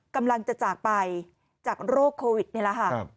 กำลังจะจากไปจากโรคโควิดนี่แหละค่ะ